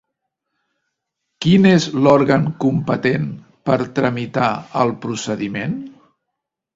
Quin és l'òrgan competent per tramitar el procediment?